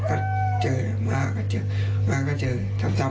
อารมณ์เหมือนประมาณว่าอยู่ด้วยกันตลอด